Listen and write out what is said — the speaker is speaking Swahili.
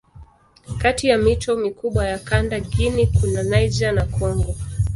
Kati ya mito mikubwa ya kanda Guinea kuna Niger na Kongo.